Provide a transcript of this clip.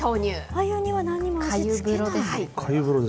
あゆには何も味付けない？